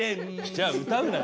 じゃあ歌うなよ。